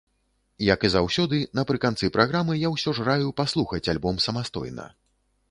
Як і заўсёды напрыканцы праграмы, я ўсё ж раю паслухаць альбом самастойна.